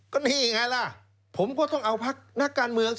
ก็นี่ไงล่ะผมก็ต้องเอาพักนักการเมืองสิ